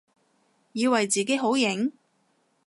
以為自己好型？